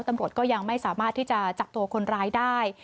ตำรวจก็ยังไม่สามารถที่จะจับตัวคนร้ายได้